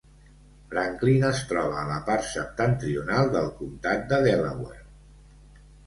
Franklin es troba a la part septentrional del comptat de Delaware.